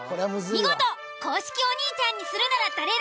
見事公式お兄ちゃんにするなら誰？